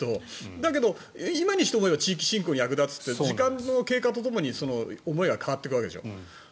だけど、今にして思えば地域振興に役立つと時間の経過とともに思いが変わっていくわけでしょ。